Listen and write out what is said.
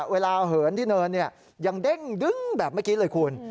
เหินที่เนินยังเด้งดึงแบบเมื่อกี้เลยคุณ